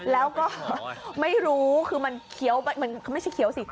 แล้วก็ไม่รู้คือมันเขียวมันไม่ใช่เขียวสิ